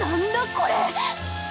これ！